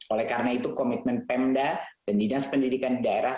oleh karena itu komitmen pemda dan dinas pendidikan daerah